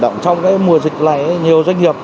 trong cái mùa dịch này nhiều doanh nghiệp